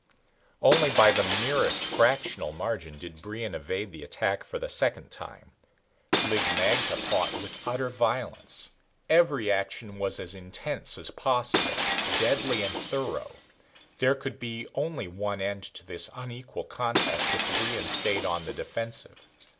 Only by the merest fractional margin did Brion evade the attack for the second time. Lig magte fought with utter violence. Every action was as intense as possible, deadly and thorough. There could be only one end to this unequal contest if Brion stayed on the defensive.